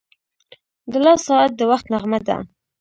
• د لاس ساعت د وخت نغمه ده.